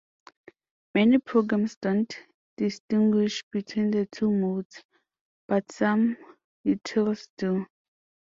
Many programs don't distinguish between the two modes, but some utils do.